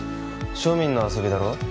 庶民の遊びだろ？